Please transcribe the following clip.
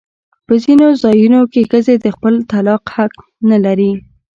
په ځینو ځایونو کې ښځې د خپل طلاق حق نه لري.